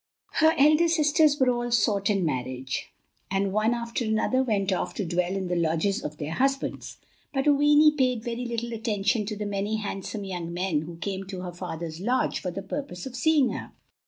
Her elder sisters were all sought in marriage, and one after another went off to dwell in the lodges of their husbands. But Oweenee paid very little attention to the many handsome young men who came to her father's lodge for the purpose of seeing her.